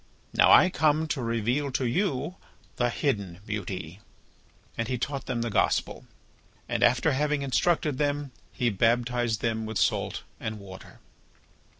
Now I come to reveal to you the hidden beauty." And he taught them the Gospel. And after having instructed them, he baptized them with salt and water.